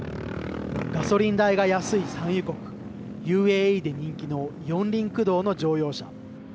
ガソリン代が安い産油国ＵＡＥで人気の四輪駆動の乗用車。